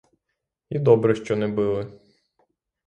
І добре, що не били.